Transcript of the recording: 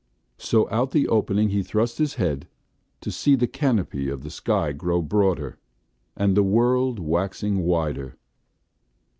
So out the opening he thrust his head, to see the canopy of the sky grow broader, and the world waxing wider.